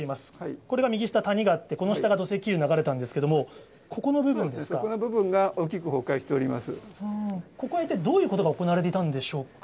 これが右下、谷があって、この下が土石流が流れたんですけれども、ここの部分が大きく崩壊してここは一体、どういうことが行われていたんでしょうか。